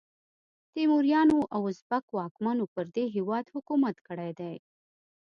تیموریانو او ازبک واکمنو پر دې هیواد حکومت کړی دی.